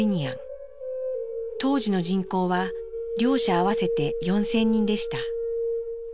当時の人口は両者合わせて４，０００人でした。